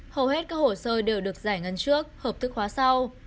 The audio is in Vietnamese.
hầu hết các hồ sơ đều được giải ngân trước hợp thức hóa sau